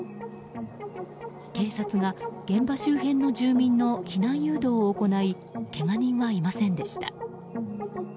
警察が現場周辺の住民の避難誘導を行いけが人はいませんでした。